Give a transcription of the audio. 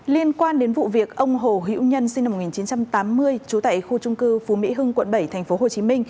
liên quan đến vụ việc ông hồ hiễu nhân sinh năm một nghìn chín trăm tám mươi trú tại khu trung cư phú mỹ hưng quận bảy tp hcm